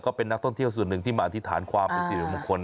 ก็เป็นนักท่องเที่ยวส่วนหนึ่งที่มาอธิษฐานความเป็นสิริมงคล